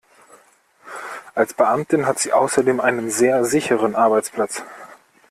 Als Beamtin hat sie außerdem einen sehr sicheren Arbeitsplatz.